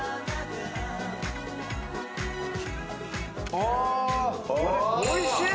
おいしい！